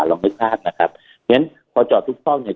เราไม่คาดนะครับเพราะฉะนั้นพอจอดทุกช่องเนี้ย